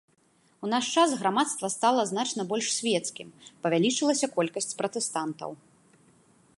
У наш час грамадства стала значна больш свецкім, павялічылася колькасць пратэстантаў.